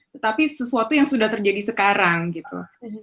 tetapi sesuatu yang sudah terjadi sekarang gitu